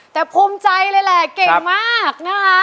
แต่ภูมิใจเลยแหละเก่งมากนะคะ